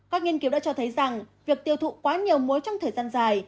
các nghiên cứu đã cho thấy rằng việc tiêu thụ quá nhiều muối trong thời gian dài